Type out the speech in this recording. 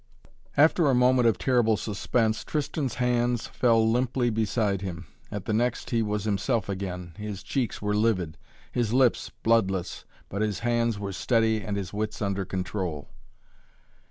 After a moment of terrible suspense Tristan's hands fell limply beside him. At the next he was himself again. His cheeks were livid, his lips bloodless. But his hands were steady and his wits under control.